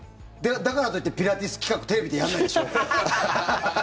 だからといってピラティス企画テレビでやんないでしょ？